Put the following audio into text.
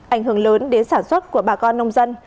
ảnh hưởng lớn đến sản xuất của bà con nông dân